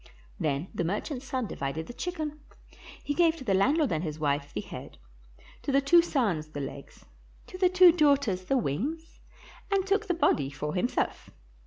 Then the merchant's son divided the chicken. He gave to the landlord and his wife the head, to the two sons the legs, to the two daughters the wings, and took the body for himself.